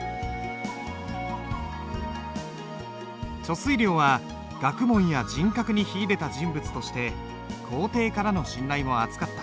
遂良は学問や人格に秀でた人物として皇帝からの信頼も厚かった。